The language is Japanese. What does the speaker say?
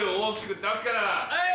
はい！